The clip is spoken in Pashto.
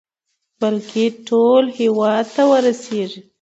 بلكې ټول هېواد ته ورسېږي.